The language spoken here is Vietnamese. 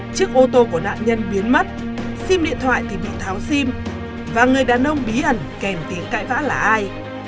chiếc ô tô của nạn nhân biến mất sim điện thoại thì bị tháo sim và người đàn ông bí ẩn kèm tiếng cãi vã là ai